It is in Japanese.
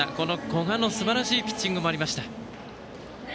古賀のすばらしいピッチングもありました。